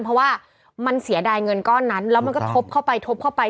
เพราะว่ามันเสียดายเงินก้อนนั้นแล้วมันก็ทบเข้าไปทบเข้าไป